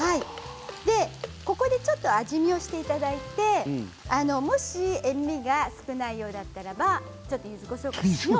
ここでちょっと味見をしていただいてもし、塩みが少ないようだったらゆずこしょうを。